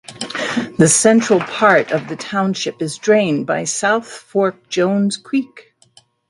The central part of the township is drained by South Fork Jones Creek.